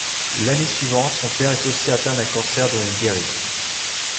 L'année suivante, son père est aussi atteint d'un cancer, dont il guérit.